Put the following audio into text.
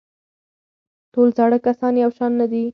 ټول زاړه کسان یو شان نه دي.